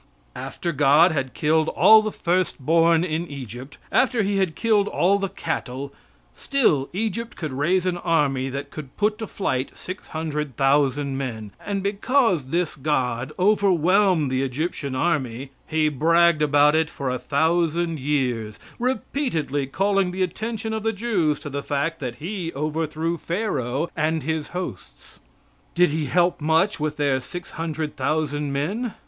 After God had killed all the first born in Egypt, after He had killed all the cattle, still Egypt could raise an army that could put to flight six hundred thousand men. And because this God overwhelmed the Egyptian army, he bragged about it for a thousand years, repeatedly calling the attention of the Jews to the fact that he overthrew Pharaoh and his hosts. Did he help much with their six hundred thousand men?